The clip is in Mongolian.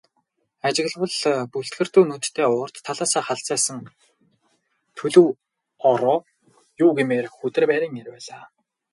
Ажиглавал бүлтгэрдүү нүдтэй урд талаасаа халзайх төлөв ороо юу гэмээр, хүдэр байрын эр байлаа.